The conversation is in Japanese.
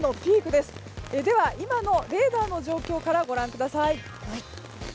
では、今のレーダーの状況からご覧ください。